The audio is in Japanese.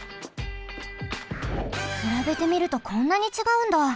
くらべてみるとこんなにちがうんだ。